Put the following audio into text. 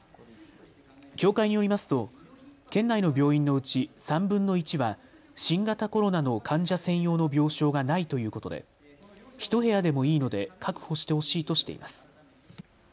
協会によりますと、県内の病院のうち３分の１は新型コロナの患者専用の病床がないということで１部屋でもいいので確保してほしいとしています。